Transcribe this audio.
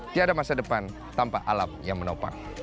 tiada masa depan tanpa alam yang menopang